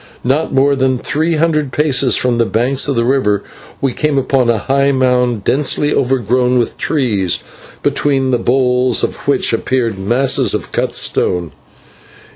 Not more than three hundred paces from the banks of the river we came upon a high mound densely overgrown with trees, between the boles of which appeared masses of cut stone.